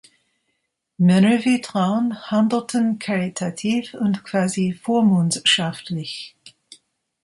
Männer wie Traun handelten karitativ und quasi vormundschaftlich.